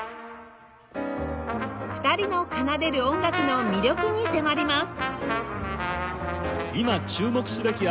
２人の奏でる音楽の魅力に迫ります！